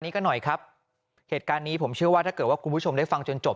กันหน่อยครับเหตุการณ์นี้ผมเชื่อว่าถ้าเกิดว่าคุณผู้ชมได้ฟังจนจบ